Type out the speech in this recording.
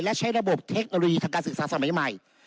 และใช้ระบบเทคโนโลยีทางการศึกษาสมัยใหม่